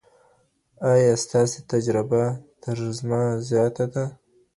ايا ستاسي تجربه تر زما زياته ده؟